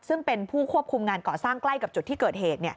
ซึ่งเป็นผู้ควบคุมงานก่อสร้างใกล้กับจุดที่เกิดเหตุ